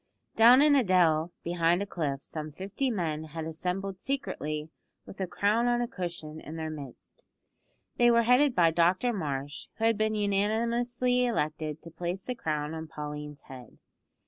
Down in a dell behind a cliff some fifty men had assembled secretly with the crown on a cushion in their midst. They were headed by Dr Marsh, who had been unanimously elected to place the crown on Pauline's head.